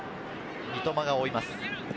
三笘が追います。